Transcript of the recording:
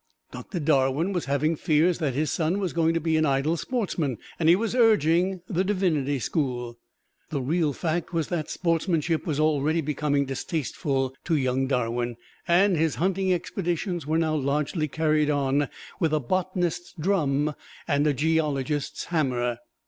Doctor Darwin was having fears that his son was going to be an idle sportsman, and he was urging the divinity school. The real fact was that sportsmanship was already becoming distasteful to young Darwin, and his hunting expeditions were now largely carried on with a botanist's drum and a geologist's hammer.